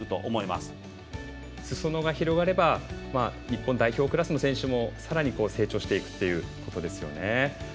すそ野が広がれば日本代表クラスの選手たちもさらに成長していくということですよね。